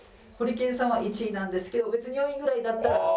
ホリケンさんは１位なんですけど別に４位ぐらいだったら？